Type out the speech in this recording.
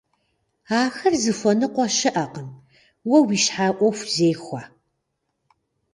Ахэр зыхуэныкъуэ щыӀэкъым, уэ уи щхьэ Ӏуэху зехуэ.